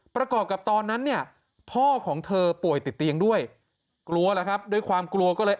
ประกอบกับตอนนั้นเนี่ยพ่อของเธอป่วยติดเตียงด้วยกลัวแล้วครับด้วยความกลัวก็เลย